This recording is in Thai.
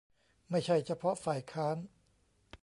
ไม่ใช่เฉพาะฝ่ายค้าน